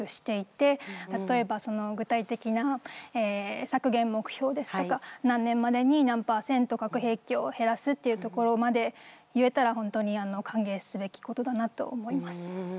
例えばその具体的な削減目標ですとか何年までに何％核兵器を減らすっていうところまで言えたら本当に歓迎すべきことだなと思います。